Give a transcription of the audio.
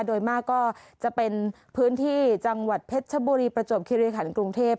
โดยมากก็จะเป็นพื้นที่จังหวัดเพชรชบุรีประจวบคิริขันกรุงเทพ